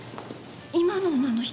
今の女の人。